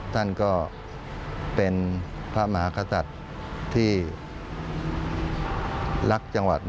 ท่านก็เป็นพระมหากษัตริย์ที่รักจังหวัด